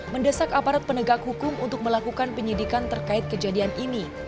mendesak aparat penegak hukum untuk melakukan penyidikan terkait kejadian ini